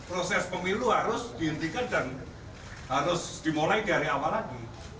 proses pemilu harus dihentikan dan harus dimulai dari awal lagi